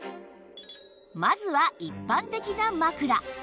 まずは一般的な枕